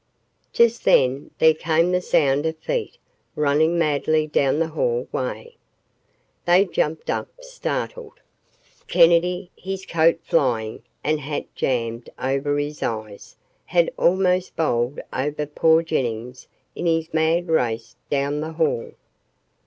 Just then there came the sound of feet running madly down the hall way. They jumped up, startled. Kennedy, his coat flying, and hat jammed over his eyes, had almost bowled over poor Jennings in his mad race down the hall.